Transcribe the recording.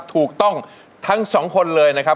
ถูกต้องทั้งสองคนเลยนะครับ